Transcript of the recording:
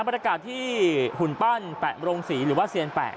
บรรยากาศที่หุ่นปั้นแปะโรงศรีหรือว่าเซียนแปะ